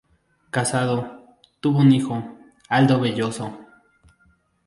Casado, tuvo un hijo, Aldo Velloso.